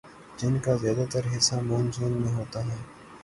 جن کا زیادہ تر حصہ مون سون میں ہوتا ہے